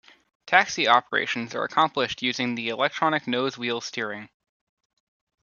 Taxi operations are accomplished using the electronic nose wheel steering.